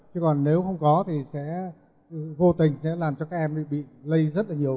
chứ còn nếu không có thì sẽ vô tình sẽ làm cho các em bị lây rất là nhiều